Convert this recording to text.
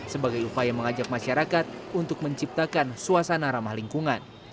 sebagai upaya mengajak masyarakat untuk menciptakan suasana ramah lingkungan